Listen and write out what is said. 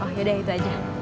oh ya udah itu aja